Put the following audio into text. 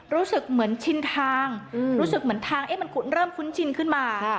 รู้สึกเหมือนชินทางรู้สึกเหมือนทางมันเริ่มคุ้นชินขึ้นมา